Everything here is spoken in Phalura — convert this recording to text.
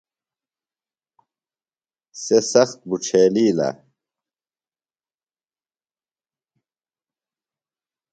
سےۡ سخت بُڇھیلِیلہ۔